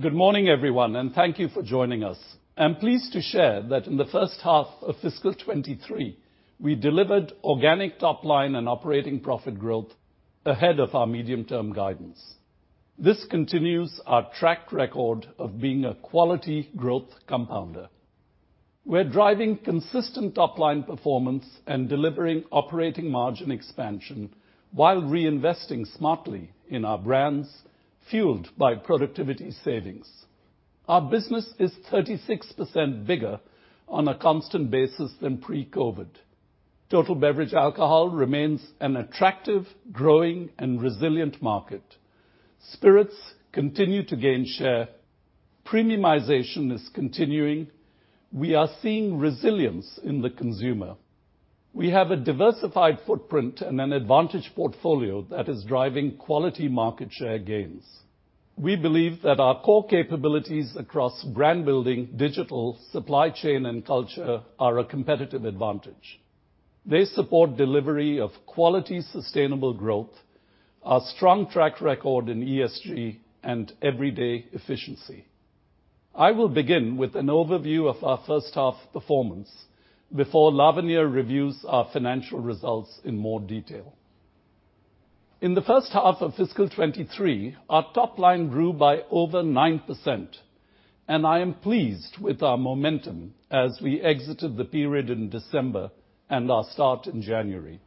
Good morning everyone. Thank you for joining us. I'm pleased to share that in the first half of fiscal 2023 we delivered organic top line and operating profit growth ahead of our medium-term guidance. This continues our track record of being a quality growth compounder. We're driving consistent top line performance and delivering operating margin expansion while reinvesting smartly in our brands, fueled by productivity savings. Our business is 36% bigger on a constant basis than pre-COVID. Total beverage alcohol remains an attractive, growing, and resilient market. Spirits continue to gain share. Premiumization is continuing. We are seeing resilience in the consumer. We have a diversified footprint and an advantage portfolio that is driving quality market share gains. We believe that our core capabilities across brand building, digital, supply chain, and culture are a competitive advantage. They support delivery of quality, sustainable growth, our strong track record in ESG, and everyday efficiency. I will begin with an overview of our first half performance before Lavanya reviews our financial results in more detail. In the first half of fiscal 2023, our top line grew by over 9%. I am pleased with our momentum as we exited the period in December and our start in January.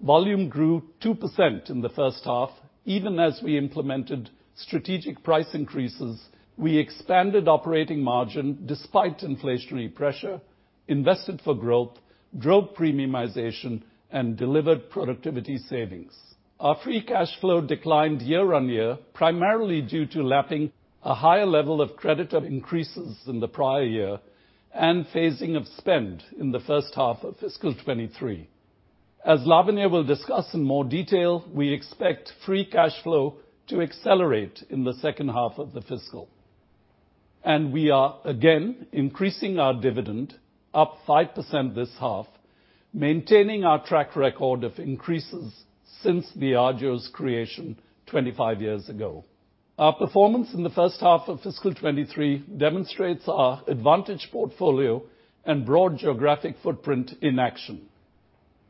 Volume grew 2% in the first half. Even as we implemented strategic price increases, we expanded operating margin despite inflationary pressure, invested for growth, drove premiumization, and delivered productivity savings. Our free cash flow declined year-over-year, primarily due to lapping a higher level of creditor increases than the prior year, and phasing of spend in the first half of fiscal 2023. As Lavanya will discuss in more detail, we expect free cash flow to accelerate in the second half of the fiscal. We are again increasing our dividend up 5% this half, maintaining our track record of increases since Diageo's creation 25 years ago. Our performance in the first half of fiscal 2023 demonstrates our advantage portfolio and broad geographic footprint in action.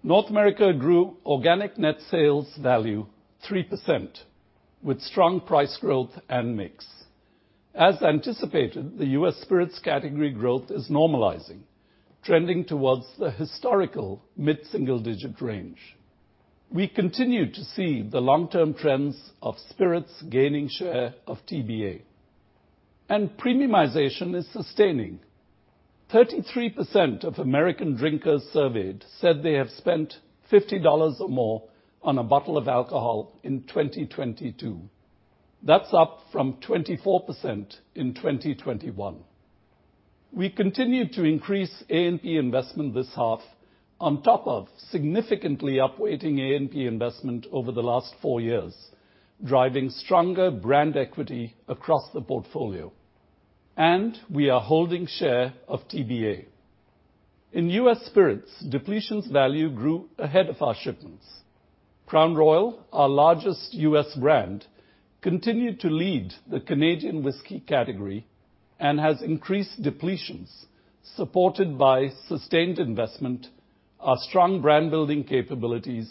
North America grew organic net sales value 3% with strong price growth and mix. As anticipated, the U.S. spirits category growth is normalizing, trending towards the historical mid-single digit range. We continue to see the long-term trends of spirits gaining share of TBA, premiumization is sustaining. 33% of American drinkers surveyed said they have spent $50 or more on a bottle of alcohol in 2022. That's up from 24% in 2021. We continue to increase ANP investment this half on top of significantly upweighting ANP investment over the last four years, driving stronger brand equity across the portfolio. We are holding share of TBA. In U.S. spirits, depletions value grew ahead of our shipments. Crown Royal, our largest U.S. brand, continued to lead the Canadian whisky category and has increased depletions, supported by sustained investment, our strong brand-building capabilities,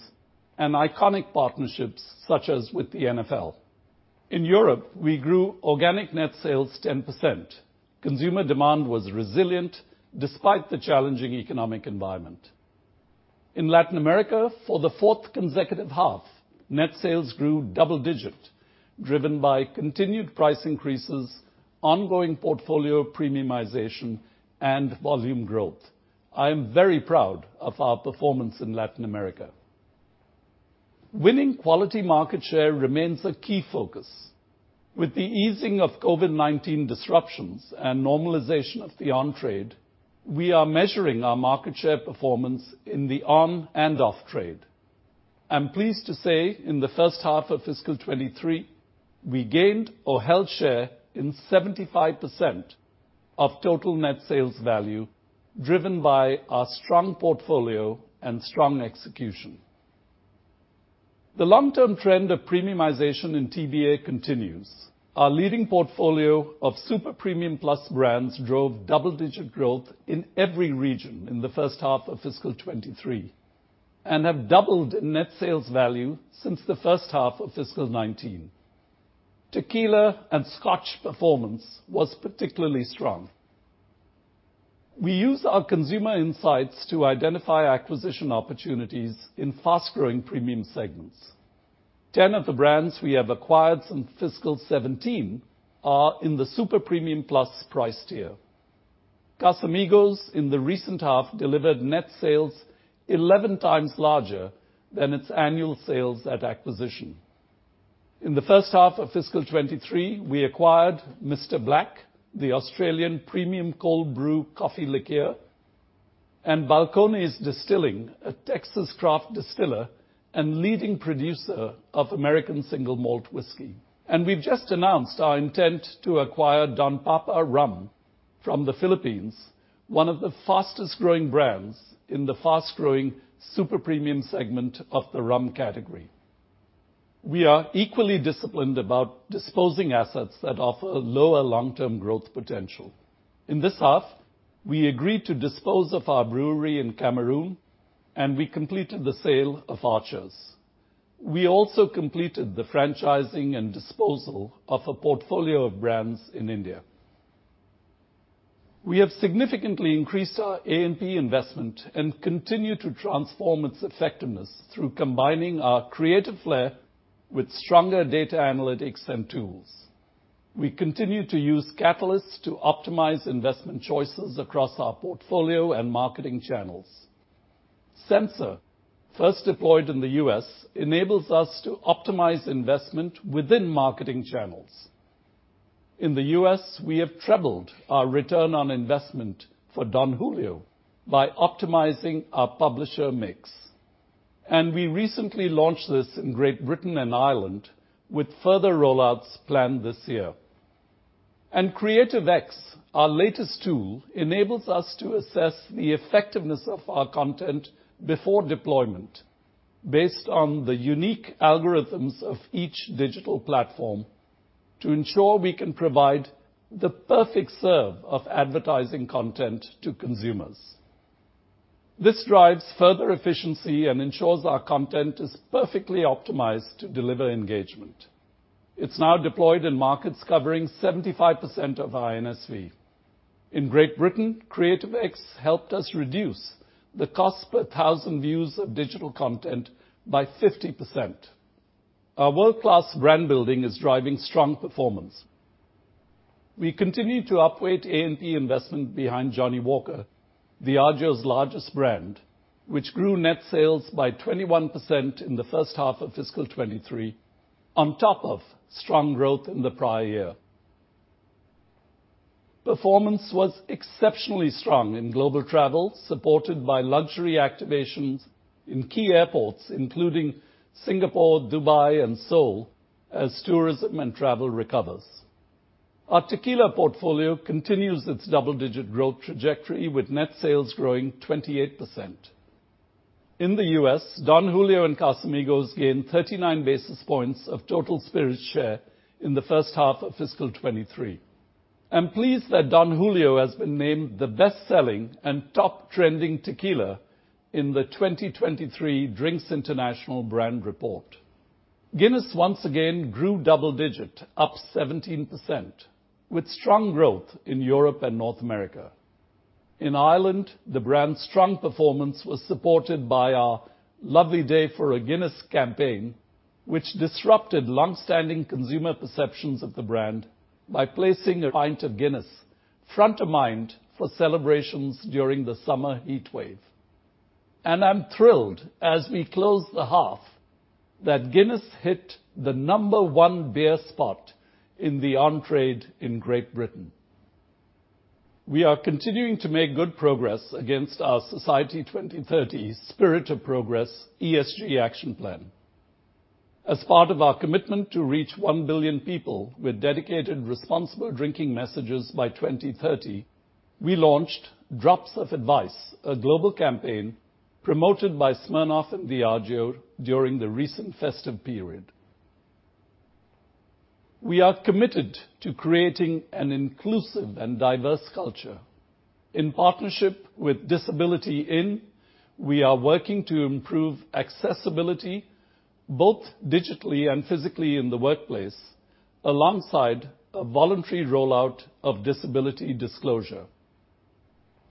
and iconic partnerships such as with the NFL. In Europe, we grew organic net sales 10%. Consumer demand was resilient despite the challenging economic environment. In Latin America, for the fourth consecutive half, net sales grew double digit, driven by continued price increases, ongoing portfolio premiumization, and volume growth. I am very proud of our performance in Latin America. Winning quality market share remains a key focus. With the easing of COVID-19 disruptions and normalization of the on-trade, we are measuring our market share performance in the on and off trade. I'm pleased to say in the first half of fiscal 2023, we gained or held share in 75% of total Net Sales Value, driven by our strong portfolio and strong execution. The long-term trend of premiumization in TBA continues. Our leading portfolio of super premium plus brands drove double-digit growth in every region in the first half of fiscal 2023, and have doubled Net Sales Value since the first half of fiscal 2019. Tequila and Scotch performance was particularly strong. We use our consumer insights to identify acquisition opportunities in fast-growing premium segments. 10 of the brands we have acquired since fiscal 2017 are in the super premium plus price tier. Casamigos in the recent half delivered net sales 11 times larger than its annual sales at acquisition. In the first half of fiscal 2023, we acquired Mr. Black, the Australian premium cold brew coffee liqueur, and Balcones Distilling, a Texas craft distiller and leading producer of American single malt whiskey. We've just announced our intent to acquire Don Papa Rum. From the Philippines, one of the fastest growing brands in the fast-growing super premium segment of the rum category. We are equally disciplined about disposing assets that offer lower long-term growth potential. In this half, we agreed to dispose of our brewery in Cameroon, and we completed the sale of Archers. We also completed the franchising and disposal of a portfolio of brands in India. We have significantly increased our A&P investment and continue to transform its effectiveness through combining our creative flair with stronger data analytics and tools. We continue to use Catalyst to optimize investment choices across our portfolio and marketing channels. Sensor, first deployed in the U.S., enables us to optimize investment within marketing channels. In the U.S., we have trebled our return on investment for Don Julio by optimizing our publisher mix. We recently launched this in Great Britain and Ireland with further rollouts planned this year. CreativeX, our latest tool, enables us to assess the effectiveness of our content before deployment based on the unique algorithms of each digital platform to ensure we can provide the perfect serve of advertising content to consumers. This drives further efficiency and ensures our content is perfectly optimized to deliver engagement. It's now deployed in markets covering 75% of our NSV. In Great Britain, CreativeX helped us reduce the cost per thousand views of digital content by 50%. Our world-class brand building is driving strong performance. We continue to upweight A&P investment behind Johnnie Walker, Diageo's largest brand, which grew net sales by 21% in the first half of fiscal 2023, on top of strong growth in the prior year. Performance was exceptionally strong in global travel, supported by luxury activations in key airports, including Singapore, Dubai, and Seoul, as tourism and travel recovers. Our tequila portfolio continues its double-digit growth trajectory, with net sales growing 28%. In the U.S., Don Julio and Casamigos gained 39 basis points of total spirit share in the first half of fiscal 2023. I'm pleased that Don Julio has been named the best-selling and top trending tequila in the 2023 Drinks International Brands Report. Guinness once again grew double digit, up 17%, with strong growth in Europe and North America. In Ireland, the brand's strong performance was supported by our Lovely Day for a Guinness campaign, which disrupted long-standing consumer perceptions of the brand by placing a pint of Guinness front of mind for celebrations during the summer heatwave. I'm thrilled as we close the half that Guinness hit the number one beer spot in the on-trade in Great Britain. We are continuing to make good progress against our Society 2030: Spirit of Progress ESG action plan. As part of our commitment to reach one billion people with dedicated responsible drinking messages by 2030, we launched Drops of Advice, a global campaign promoted by Smirnoff and Diageo during the recent festive period. We are committed to creating an inclusive and diverse culture. In partnership with Disability:IN, we are working to improve accessibility both digitally and physically in the workplace, alongside a voluntary rollout of disability disclosure.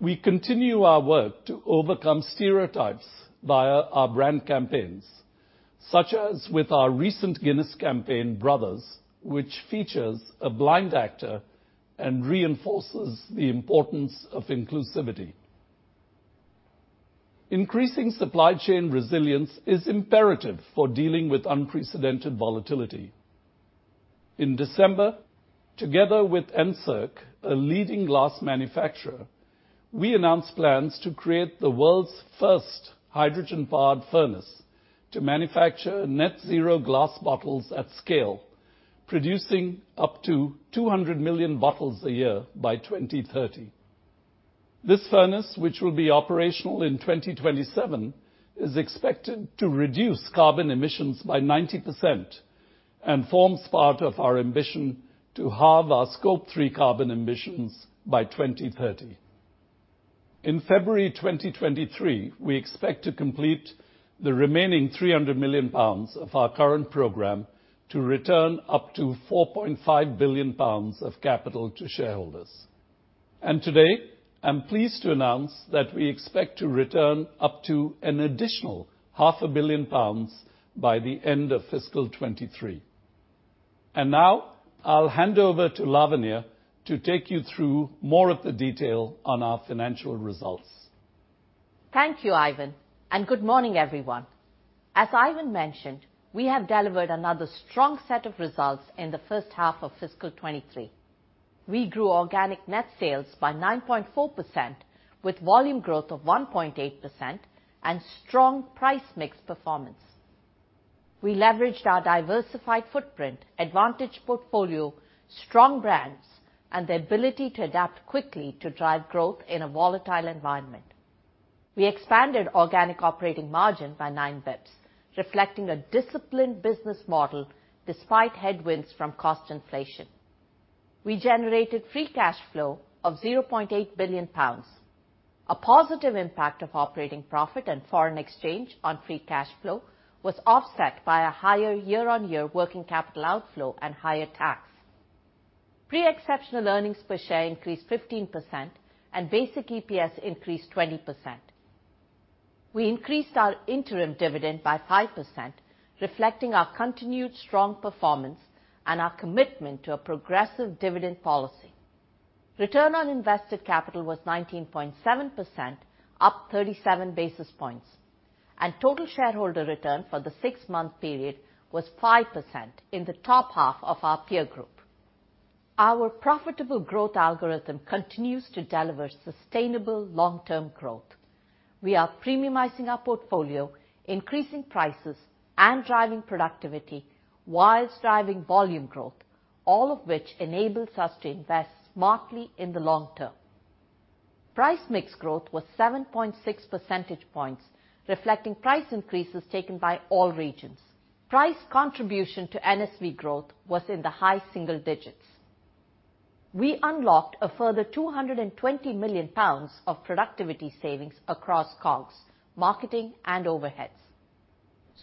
We continue our work to overcome stereotypes via our brand campaigns, such as with our recent Guinness campaign, Brothers, which features a blind actor and reinforces the importance of inclusivity. Increasing supply chain resilience is imperative for dealing with unprecedented volatility. In December, together with Encirc, a leading glass manufacturer, we announced plans to create the world's first hydrogen-powered furnace to manufacture net zero glass bottles at scale, producing up to 200 million bottles a year by 2030. This furnace, which will be operational in 2027, is expected to reduce carbon emissions by 90% and forms part of our ambition to halve our Scope three carbon emissions by 2030. In February 2023, we expect to complete the remaining £300 million of our current program to return up to £4.5 billion of capital to shareholders. Today, I'm pleased to announce that we expect to return up to an additional half a billion pounds by the end of fiscal 2023. Now I'll hand over to Lavanya to take you through more of the detail on our financial results. Thank you, Ivan, and good morning, everyone. As Ivan mentioned, we have delivered another strong set of results in the first half of fiscal 2023. We grew organic net sales by 9.4%, with volume growth of 1.8% and strong price mix performance. We leveraged our diversified footprint, advantage portfolio, strong brands, and the ability to adapt quickly to drive growth in a volatile environment. We expanded organic operating margin by nine bips, reflecting a disciplined business model despite headwinds from cost inflation. We generated free cash flow of £0.8 billion. A positive impact of operating profit and foreign exchange on free cash flow was offset by a higher year-on-year working capital outflow and higher tax. Pre-exceptional earnings per share increased 15%, and basic EPS increased 20%. We increased our interim dividend by 5%, reflecting our continued strong performance and our commitment to a progressive dividend policy. Return on invested capital was 19.7%, up 37 basis points. Total shareholder return for the six-month period was 5%, in the top half of our peer group. Our profitable growth algorithm continues to deliver sustainable long-term growth. We are premiumizing our portfolio, increasing prices, and driving productivity, whilst driving volume growth, all of which enables us to invest smartly in the long term. Price mix growth was 7.6 percentage points, reflecting price increases taken by all regions. Price contribution to NSV growth was in the high single digits. We unlocked a further £220 million of productivity savings across COGS, marketing, and overheads.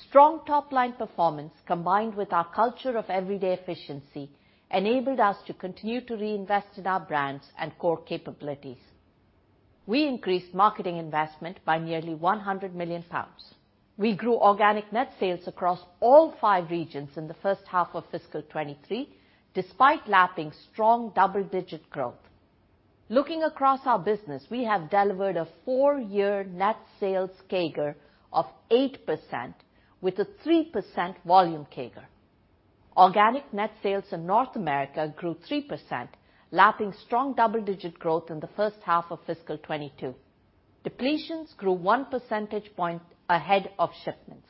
Strong top-line performance, combined with our culture of everyday efficiency, enabled us to continue to reinvest in our brands and core capabilities. We increased marketing investment by nearly £100 million. We grew organic net sales across all five regions in the first half of fiscal 2023, despite lapping strong double-digit growth. Looking across our business, we have delivered a four year net sales CAGR of 8% with a 3% volume CAGR. Organic net sales in North America grew 3%, lapping strong double-digit growth in the first half of fiscal 2022. Depletions grew one percentage point ahead of shipments.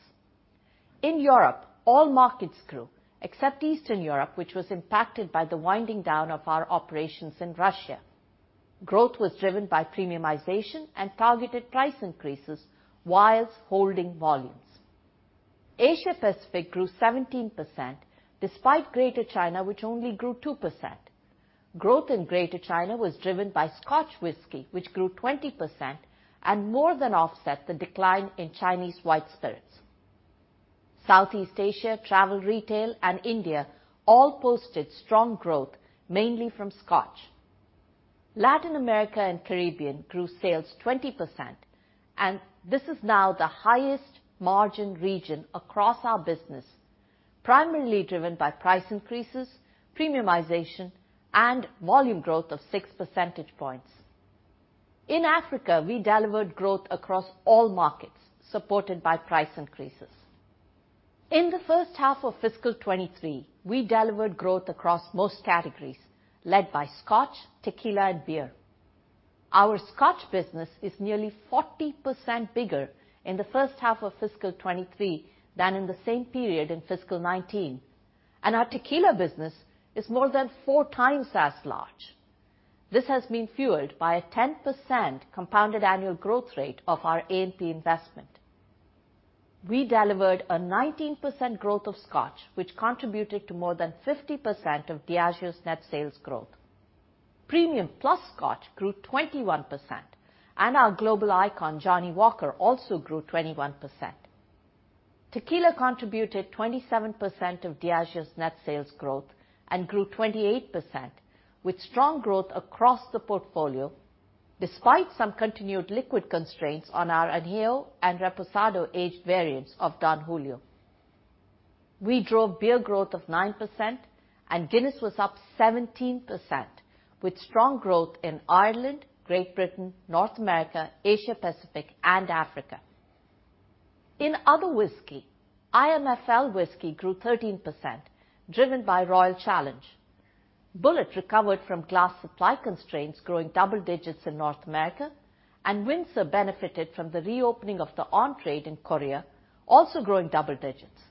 In Europe, all markets grew, except Eastern Europe, which was impacted by the winding down of our operations in Russia. Growth was driven by premiumization and targeted price increases while holding volumes. Asia Pacific grew 17% despite Greater China, which only grew 2%. Growth in Greater China was driven by Scotch whisky, which grew 20% and more than offset the decline in Chinese white spirits. Southeast Asia, travel retail, and India all posted strong growth, mainly from Scotch. Latin America and Caribbean grew sales 20%. This is now the highest margin region across our business, primarily driven by price increases, premiumization, and volume growth of six percentage points. In Africa, we delivered growth across all markets, supported by price increases. In the first half of fiscal 2023, we delivered growth across most categories, led by Scotch, tequila, and beer. Our Scotch business is nearly 40% bigger in the first half of fiscal 2023 than in the same period in fiscal 2019. Our tequila business is more than four times as large. This has been fueled by a 10% compounded annual growth rate of our A&P investment. We delivered a 19% growth of Scotch, which contributed to more than 50% of Diageo's net sales growth. Premium plus Scotch grew 21%, and our global icon, Johnnie Walker, also grew 21%. Tequila contributed 27% of Diageo's net sales growth and grew 28%, with strong growth across the portfolio, despite some continued liquid constraints on our Añejo and Reposado aged variants of Don Julio. We drove beer growth of 9%, and Guinness was up 17%, with strong growth in Ireland, Great Britain, North America, Asia Pacific, and Africa. In other whisky, IMFL whisky grew 13%, driven by Royal Challenge. Bulleit recovered from glass supply constraints, growing double digits in North America, and Windsor benefited from the reopening of the on-trade in Korea, also growing double digits.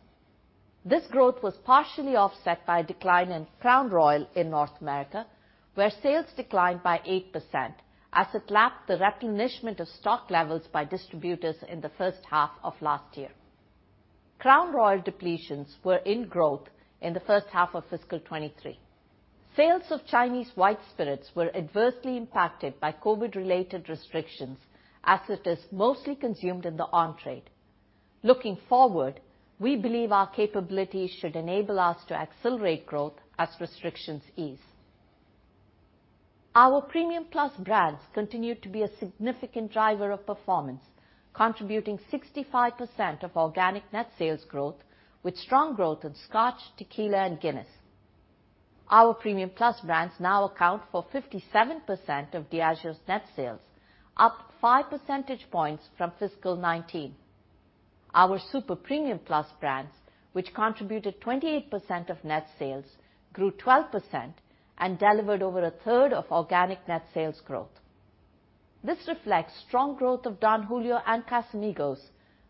This growth was partially offset by a decline in Crown Royal in North America, where sales declined by 8% as it lapped the replenishment of stock levels by distributors in the first half of last year. Crown Royal depletions were in growth in the first half of fiscal 2023. Sales of Chinese white spirits were adversely impacted by COVID-related restrictions, as it is mostly consumed in the on-trade. Looking forward, we believe our capabilities should enable us to accelerate growth as restrictions ease. Our premium plus brands continued to be a significant driver of performance, contributing 65% of organic net sales growth, with strong growth in Scotch, tequila, and Guinness. Our premium plus brands now account for 57% of Diageo's net sales, up five percentage points from fiscal 2019. Our super premium plus brands, which contributed 28% of net sales, grew 12% and delivered over a third of organic net sales growth. This reflects strong growth of Don Julio and Casamigos,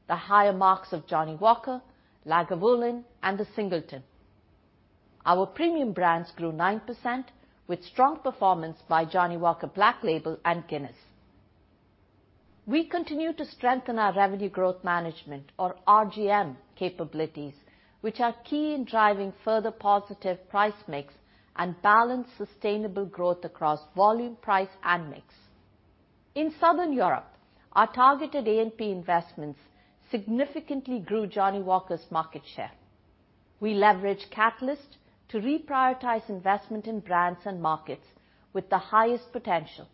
the higher marks of Johnnie Walker, Lagavulin, and The Singleton. Our premium brands grew 9% with strong performance by Johnnie Walker Black Label and Guinness. We continue to strengthen our revenue growth management, or RGM, capabilities, which are key in driving further positive price mix and balanced sustainable growth across volume, price, and mix. In Southern Europe, our targeted A&P investments significantly grew Johnnie Walker's market share. We leveraged Catalyst to reprioritize investment in brands and markets with the highest potential,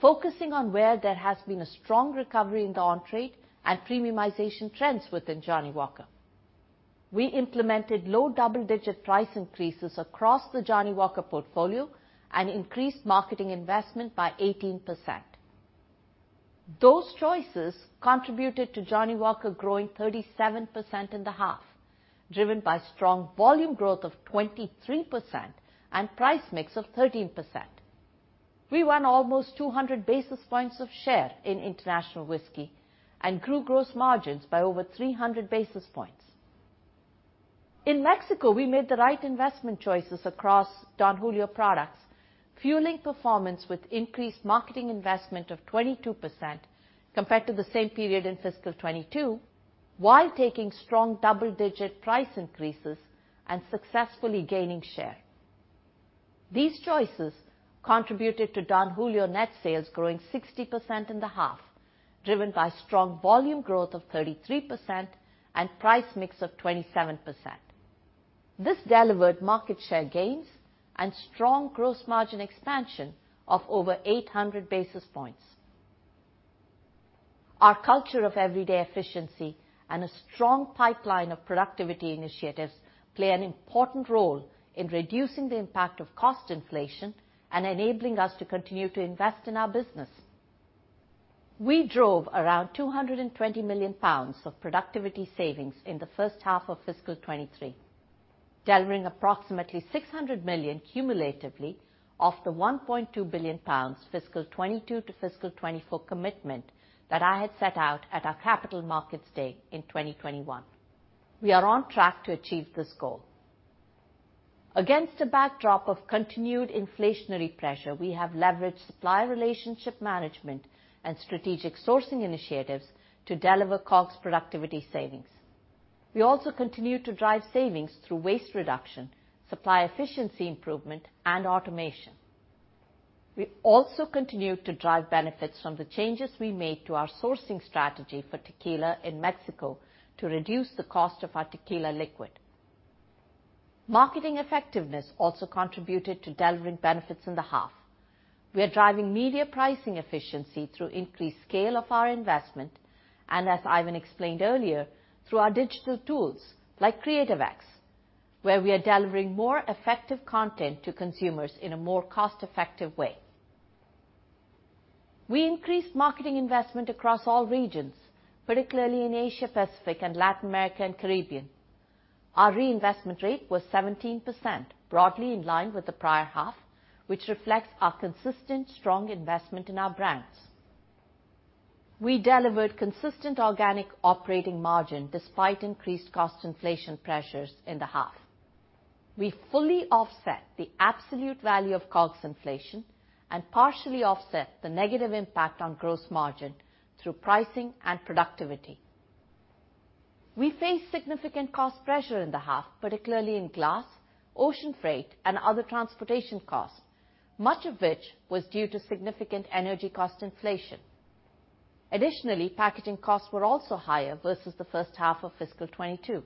focusing on where there has been a strong recovery in the on-trade and premiumization trends within Johnnie Walker. We implemented low double-digit price increases across the Johnnie Walker portfolio and increased marketing investment by 18%. Those choices contributed to Johnnie Walker growing 37% in the half, driven by strong volume growth of 23% and price mix of 13%. We won almost 200 basis points of share in international whiskey and grew gross margins by over 300 basis points. In Mexico, we made the right investment choices across Don Julio products, fueling performance with increased marketing investment of 22% compared to the same period in fiscal 2022, while taking strong double-digit price increases and successfully gaining share. These choices contributed to Don Julio net sales growing 60% in the half, driven by strong volume growth of 33% and price mix of 27%. This delivered market share gains and strong gross margin expansion of over 800 basis points. Our culture of everyday efficiency and a strong pipeline of productivity initiatives play an important role in reducing the impact of cost inflation and enabling us to continue to invest in our business. We drove around £220 million of productivity savings in the first half of fiscal 2023, delivering approximately 600 million cumulatively of the £1.2 billion fiscal 2022-fiscal 2024 commitment that I had set out at our Capital Markets Day in 2021. We are on track to achieve this goal. Against a backdrop of continued inflationary pressure, we have leveraged supply relationship management and strategic sourcing initiatives to deliver COGS productivity savings. We also continue to drive savings through waste reduction, supply efficiency improvement, and automation. We also continue to drive benefits from the changes we made to our sourcing strategy for tequila in Mexico to reduce the cost of our tequila liquid. Marketing effectiveness also contributed to delivering benefits in the half. We are driving media pricing efficiency through increased scale of our investment and, as Ivan explained earlier, through our digital tools like CreativeX, where we are delivering more effective content to consumers in a more cost-effective way. We increased marketing investment across all regions, particularly in Asia-Pacific and Latin America and Caribbean. Our reinvestment rate was 17%, broadly in line with the prior half, which reflects our consistent strong investment in our brands. We delivered consistent organic operating margin despite increased cost inflation pressures in the half. We fully offset the absolute value of COGS inflation and partially offset the negative impact on gross margin through pricing and productivity. We faced significant cost pressure in the half, particularly in glass, ocean freight, and other transportation costs, much of which was due to significant energy cost inflation. Additionally, packaging costs were also higher versus the first half of fiscal 2022.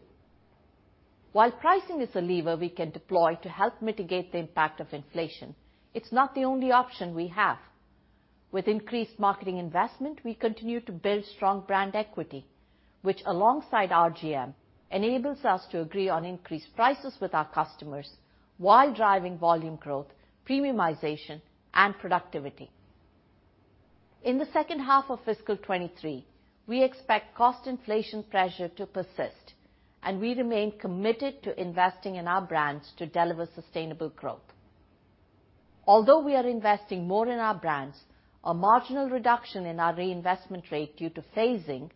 While pricing is a lever we can deploy to help mitigate the impact of inflation, it's not the only option we have. With increased marketing investment, we continue to build strong brand equity, which alongside RGM, enables us to agree on increased prices with our customers while driving volume growth, premiumization, and productivity. In the second half of fiscal 2023, we expect cost inflation pressure to persist, and we remain committed to investing in our brands to deliver sustainable growth. Although we are investing more in our brands, a marginal reduction in our reinvestment rate due to phasing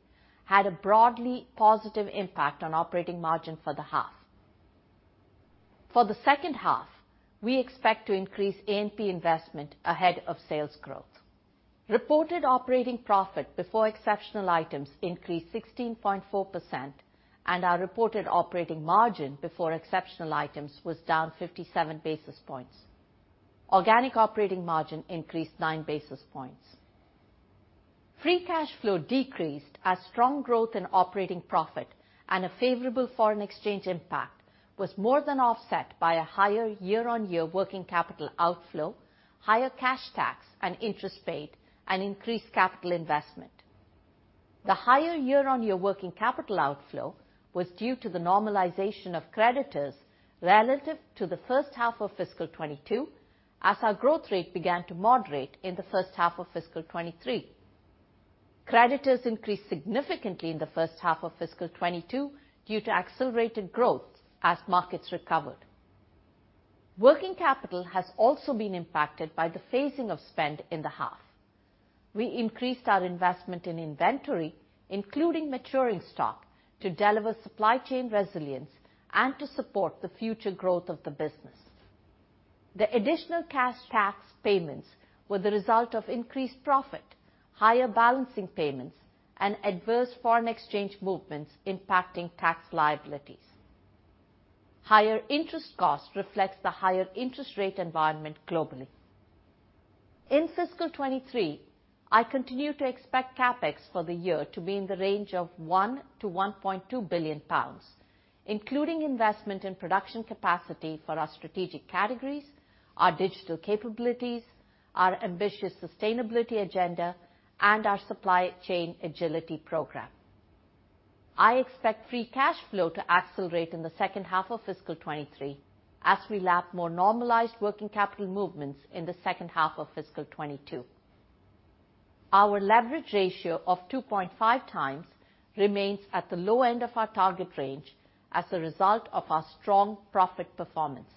had a broadly positive impact on operating margin for the half. For the second half, we expect to increase A&P investment ahead of sales growth. Reported operating profit before exceptional items increased 16.4%, and our reported operating margin before exceptional items was down 57 basis points. Organic operating margin increased nine basis points. Free cash flow decreased as strong growth in operating profit and a favorable foreign exchange impact was more than offset by a higher year-on-year working capital outflow, higher cash tax and interest paid, and increased capital investment. The higher year-on-year working capital outflow was due to the normalization of creditors relative to the first half of fiscal 2022, as our growth rate began to moderate in the first half of fiscal 2023. Creditors increased significantly in the first half of fiscal 2022 due to accelerated growth as markets recovered. Working capital has also been impacted by the phasing of spend in the half. We increased our investment in inventory, including maturing stock, to deliver supply chain resilience and to support the future growth of the business. The additional cash tax payments were the result of increased profit, higher balancing payments, and adverse foreign exchange movements impacting tax liabilities. Higher interest costs reflects the higher interest rate environment globally. In fiscal 2023, I continue to expect CapEx for the year to be in the range of £1 billion-£1.2 billion, including investment in production capacity for our strategic categories, our digital capabilities, our ambitious sustainability agenda, and our supply chain agility program. I expect free cash flow to accelerate in the second half of fiscal 2023 as we lap more normalized working capital movements in the second half of fiscal 2022. Our leverage ratio of 2.5 times remains at the low end of our target range as a result of our strong profit performance.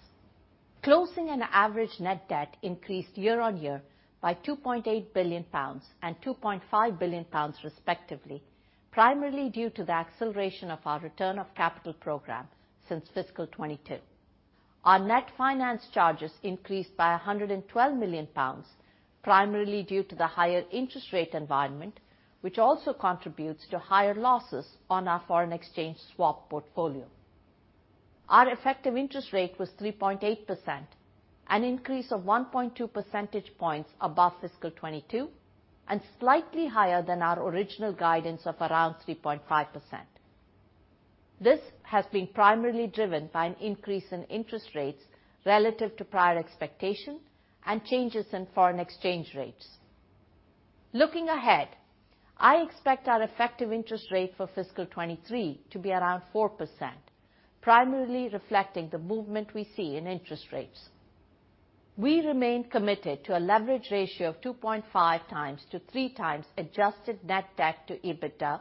Closing and average net debt increased year-over-year by 2.8 billion pounds and 2.5 billion pounds respectively, primarily due to the acceleration of our return of capital program since fiscal 2022. Our net finance charges increased by 112 million pounds, primarily due to the higher interest rate environment, which also contributes to higher losses on our foreign exchange swap portfolio. Our effective interest rate was 3.8%, an increase of 1.2 percentage points above fiscal 2022, and slightly higher than our original guidance of around 3.5%. This has been primarily driven by an increase in interest rates relative to prior expectations and changes in foreign exchange rates. Looking ahead, I expect our effective interest rate for fiscal 2023 to be around 4%, primarily reflecting the movement we see in interest rates. We remain committed to a leverage ratio of 2.5 times to three times adjusted net debt to EBITDA,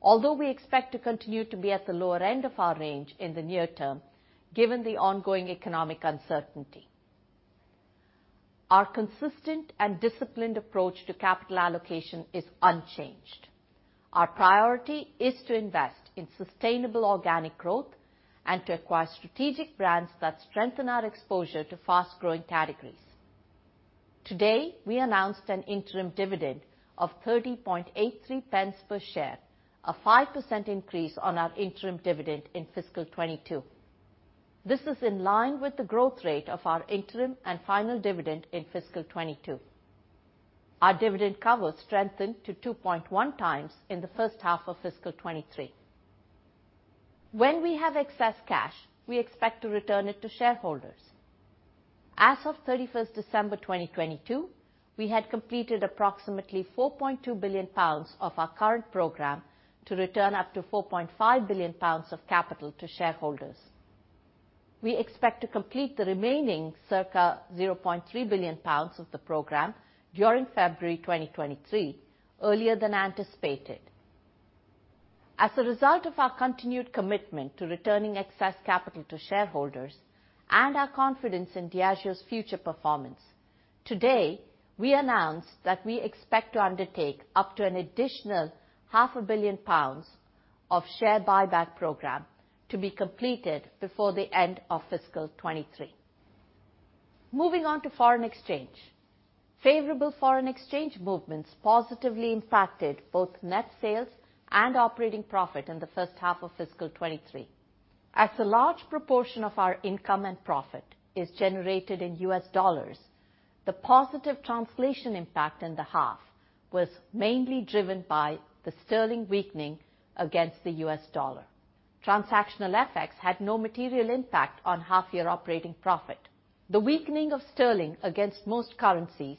although we expect to continue to be at the lower end of our range in the near term given the ongoing economic uncertainty. Our consistent and disciplined approach to capital allocation is unchanged. Our priority is to invest in sustainable organic growth and to acquire strategic brands that strengthen our exposure to fast-growing categories. Today, we announced an interim dividend of 30.83 pence per share, a 5% increase on our interim dividend in fiscal 2022. This is in line with the growth rate of our interim and final dividend in fiscal 2022. Our dividend cover strengthened to 2.1 times in the first half of fiscal 2023. When we have excess cash, we expect to return it to shareholders. As of 31st December 2022, we had completed approximately £4.2 billion of our current program to return up to £4.5 billion of capital to shareholders. We expect to complete the remaining circa £0.3 billion of the program during February 2023, earlier than anticipated. As a result of our continued commitment to returning excess capital to shareholders and our confidence in Diageo's future performance, today we announced that we expect to undertake up to an additional half a billion pounds of share buyback program to be completed before the end of fiscal 2023. Moving on to foreign exchange. Favorable foreign exchange movements positively impacted both net sales and operating profit in the first half of fiscal 23. As a large proportion of our income and profit is generated in US dollars, the positive translation impact in the half was mainly driven by the sterling weakening against the US dollar. Transactional FX had no material impact on half year operating profit. The weakening of sterling against most currencies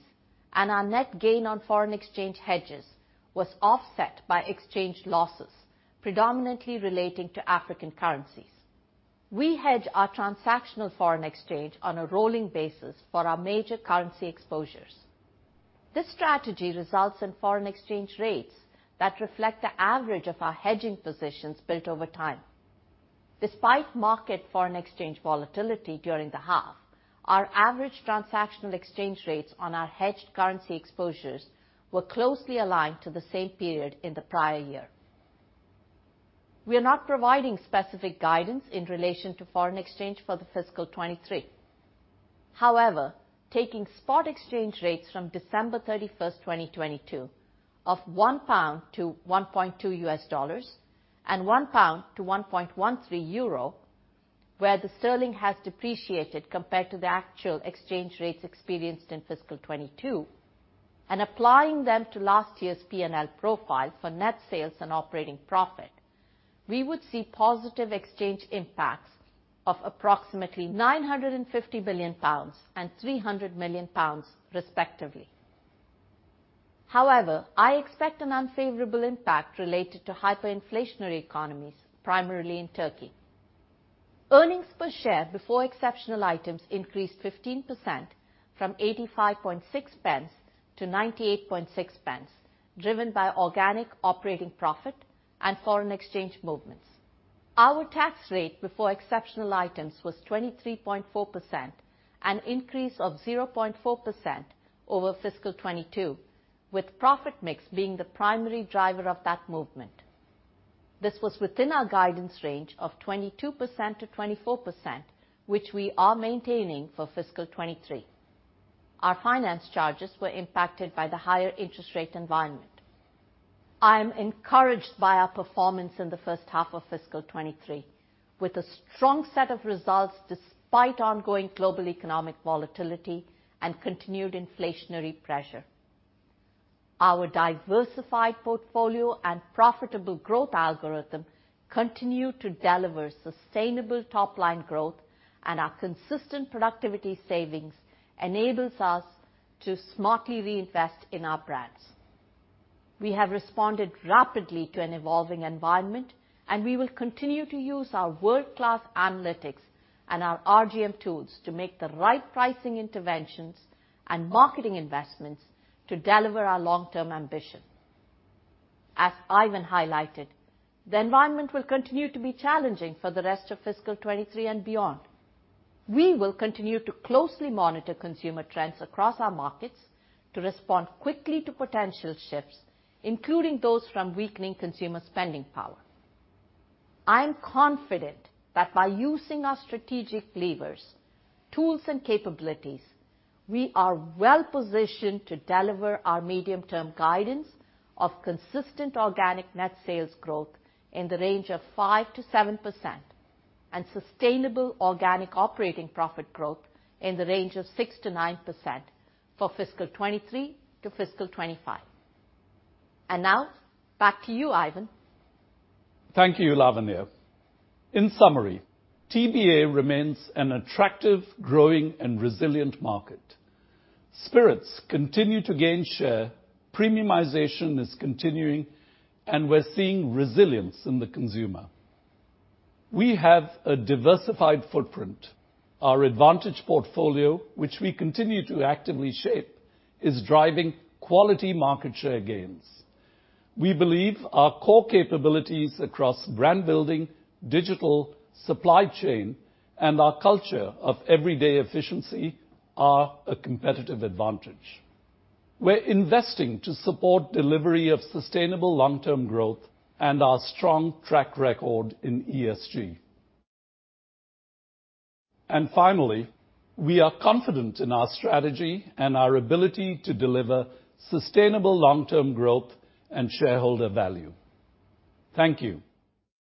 and our net gain on foreign exchange hedges was offset by exchange losses, predominantly relating to African currencies. We hedge our transactional foreign exchange on a rolling basis for our major currency exposures. This strategy results in foreign exchange rates that reflect the average of our hedging positions built over time. Despite market foreign exchange volatility during the half, our average transactional exchange rates on our hedged currency exposures were closely aligned to the same period in the prior year. We are not providing specific guidance in relation to foreign exchange for the fiscal 23. Taking spot exchange rates from December 31st, 2022 of £1-$1.2 and £1-€1.13, where the sterling has depreciated compared to the actual exchange rates experienced in fiscal 22, and applying them to last year's P&L profile for net sales and operating profit, we would see positive exchange impacts of approximately £950 billion and £300 million, respectively. I expect an unfavorable impact related to hyperinflationary economies, primarily in Turkey. Earnings per share before exceptional items increased 15% from 85.6 cents to 98.6 cents, driven by organic operating profit and foreign exchange movements. Our tax rate before exceptional items was 23.4%, an increase of 0.4% over fiscal 2022, with profit mix being the primary driver of that movement. This was within our guidance range of 22%-24%, which we are maintaining for fiscal 2023. Our finance charges were impacted by the higher interest rate environment. I am encouraged by our performance in the first half of fiscal 2023, with a strong set of results despite ongoing global economic volatility and continued inflationary pressure. Our diversified portfolio and profitable growth algorithm continue to deliver sustainable top-line growth, our consistent productivity savings enables us to smartly reinvest in our brands. We have responded rapidly to an evolving environment, we will continue to use our world-class analytics and our RGM tools to make the right pricing interventions and marketing investments to deliver our long-term ambition. As Ivan highlighted, the environment will continue to be challenging for the rest of fiscal 23 and beyond. We will continue to closely monitor consumer trends across our markets to respond quickly to potential shifts, including those from weakening consumer spending power. I am confident that by using our strategic levers, tools, and capabilities, we are well positioned to deliver our medium term guidance of consistent organic net sales growth in the range of 5%-7%, and sustainable organic operating profit growth in the range of 6%-9% for fiscal 23 to fiscal 25. Now back to you, Ivan. Thank you, Lavanya. In summary, TBA remains an attractive, growing, and resilient market. Spirits continue to gain share, premiumization is continuing, and we're seeing resilience in the consumer. We have a diversified footprint. Our advantage portfolio, which we continue to actively shape, is driving quality market share gains. We believe our core capabilities across brand building, digital, supply chain, and our culture of everyday efficiency are a competitive advantage. We're investing to support delivery of sustainable long-term growth and our strong track record in ESG. Finally, we are confident in our strategy and our ability to deliver sustainable long-term growth and shareholder value. Thank you.